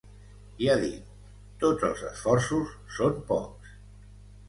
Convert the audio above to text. I ha dit: Tots els esforços són pocs.